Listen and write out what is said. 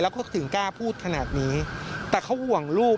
เขาถึงกล้าพูดขนาดนี้แต่เขาห่วงลูก